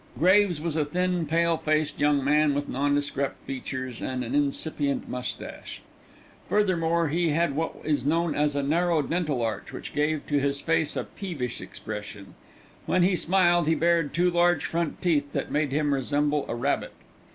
Graves was a thin, pale faced young man with nondescript features and an incipient moustache. Furthermore, he had what is known as a narrow dental arch, which gave to his face a peevish expression. When he smiled he bared two large front teeth that made him resemble a rabbit.